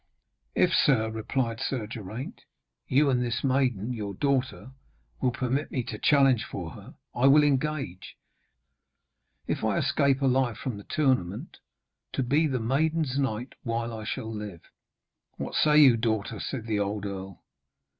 'If, sir,' replied Sir Geraint, 'you and this maiden, your daughter, will permit me to challenge for her, I will engage, if I escape alive from the tournament, to be the maiden's knight while I shall live.' 'What say you, daughter?' said the old earl.